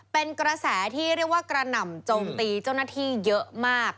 เป็นกระแสที่เรียกว่ากระหน่ำโจมตีเจ้าหน้าที่เยอะมาก